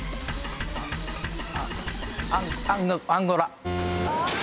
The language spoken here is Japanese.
アンヌアンゴラ。